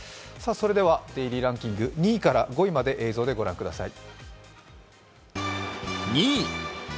ではランキング、２位から５位まで映像でご覧ください。